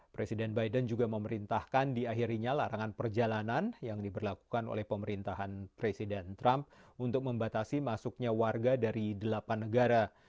presiden biden juga memerintahkan di akhirnya larangan perjalanan yang diberlakukan oleh pemerintahan presiden trump untuk membatasi masuknya warga dari delapan negara